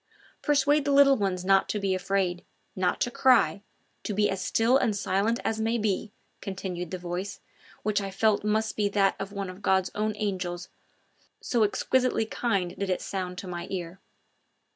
"Persuade the little ones not to be afraid, not to cry, to be as still and silent as may be," continued the voice, which I felt must be that of one of God's own angels, so exquisitely kind did it sound to my ear.